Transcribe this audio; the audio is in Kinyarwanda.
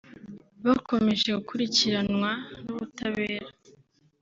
bakomeje gukurikiranwa n’ubutabera